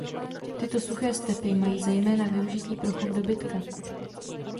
Tyto suché stepi mají zejména využití pro chov dobytka.